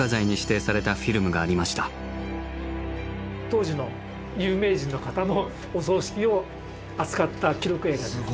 当時の有名人の方のお葬式を扱った記録映画です。